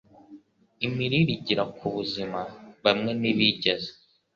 imirire igira ku buzima. Bamwe ntibigeze